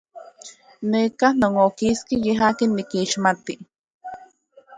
Neka non okiski ye akin nikixmati.